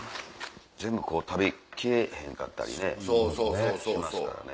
全部食べ切れへんかったりしますから。